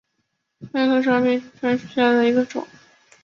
黑头柄眼长蝽为长蝽科柄眼长蝽属下的一个种。